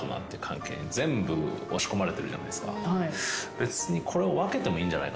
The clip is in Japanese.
別に。